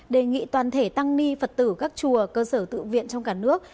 đề nghị toàn thể tăng ni phật tử các chùa cơ sở tự viện trong cả nước